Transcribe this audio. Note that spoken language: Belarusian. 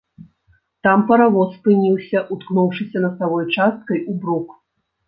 Там паравоз спыніўся, уткнуўшыся насавой часткай у брук.